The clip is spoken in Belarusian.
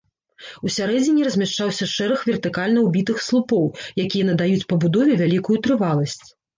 У сярэдзіне размяшчаўся шэраг вертыкальна ўбітых слупоў, якія надаюць пабудове вялікую трываласць.